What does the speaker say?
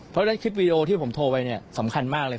เพราะฉะนั้นคลิปวีดีโอที่ผมโทรไปเนี่ยสำคัญมากเลย